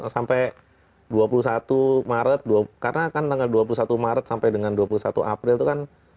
sampai dua puluh satu maret karena kan tanggal dua puluh satu maret sampai dengan dua puluh satu april itu kan